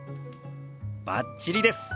バッチリです。